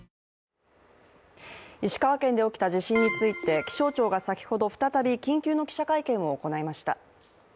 石川県で起きた地震について、気象庁が先ほど再び緊急の記者会見を行いました。